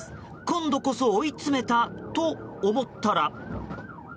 今度こそ追い詰めたと思ったら。